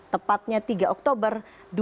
tepatnya tiga oktober dua ribu tujuh belas